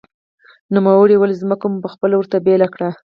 نوموړي ویلي، ځمکه مو خپله ورته بېله کړې